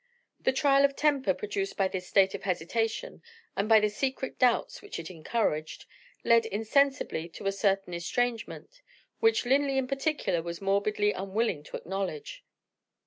The trial of temper produced by this state of hesitation, and by the secret doubts which it encouraged, led insensibly to a certain estrangement which Linley in particular was morbidly unwilling to acknowledge.